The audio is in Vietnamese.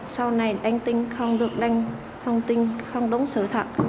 sau này anh tin không được đăng thông tin không đúng sự thật